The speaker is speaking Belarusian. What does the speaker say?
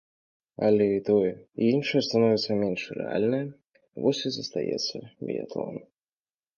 Але і тое, і іншае становіцца менш рэальнае, вось і застаецца біятлон.